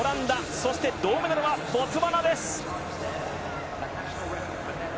そして銅メダルはボツワナです。